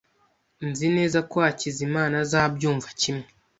Nzi neza ko Hakizimana azabyumva kimwe.